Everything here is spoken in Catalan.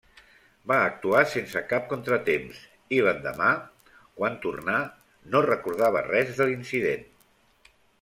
Va actuar sense cap contratemps, i l'endemà, quan tornà, no recordava res de l'incident.